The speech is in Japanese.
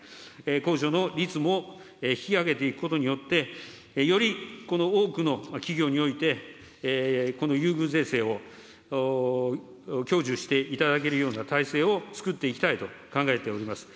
控除の率も引き上げていくことによって、よりこの多くの企業において、この優遇税制を享受していただけるような体制をつくっていきたいと考えております。